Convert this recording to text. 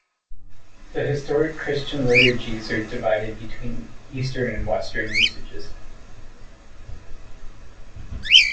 The historic Christian liturgies are divided between Eastern and Western usages.